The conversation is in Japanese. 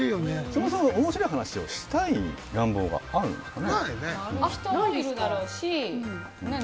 そもそも面白い話をしたい願望があるんですかね。